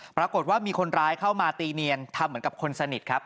ปรากฏว่ามีคนร้ายเข้ามาตีเนียนทำเหมือนกับคนสนิทครับ